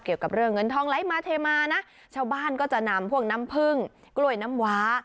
เกี่ยวกับเรื่องเงินทองไหลมาเทมานะชาวบ้านก็จะนำพวกน้ำผึ้งกล้วยน้ำว้า